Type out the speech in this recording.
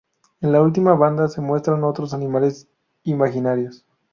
En la última banda se muestran otros animales imaginarios.